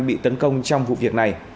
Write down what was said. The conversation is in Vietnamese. bị tấn công trong vụ việc này